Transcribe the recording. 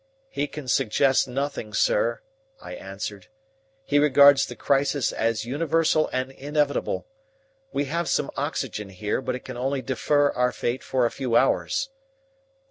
"He can suggest nothing, sir," I answered. "He regards the crisis as universal and inevitable. We have some oxygen here, but it can only defer our fate for a few hours."